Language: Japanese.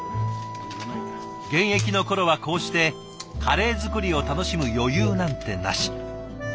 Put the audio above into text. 現役の頃はこうしてカレー作りを楽しむ余裕なんてなし。